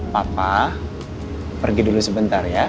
papa pergi dulu sebentar ya